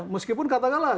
meskipun kata kata lah